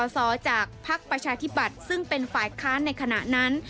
สอจากภักดิ์ประชาธิบัติซึ่งเป็นฝ่ายค้านในขณะนั้น